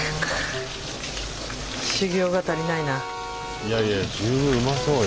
いやいや十分うまそうよ。